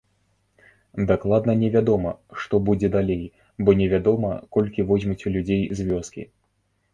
Дакладна невядома, што будзе далей, бо невядома, колькі возьмуць людзей з вёскі.